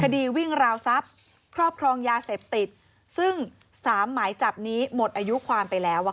วิ่งราวทรัพย์ครอบครองยาเสพติดซึ่งสามหมายจับนี้หมดอายุความไปแล้ว